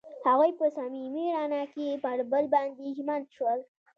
هغوی په صمیمي رڼا کې پر بل باندې ژمن شول.